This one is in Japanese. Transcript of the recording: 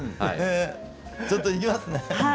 ちょっといきますね。